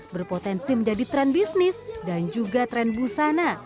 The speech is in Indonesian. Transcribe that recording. berpotensi menjadi tren bisnis dan juga tren busana